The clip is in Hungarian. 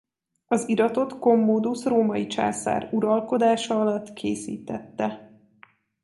Az iratot Commodus római császár uralkodása alatt készítette.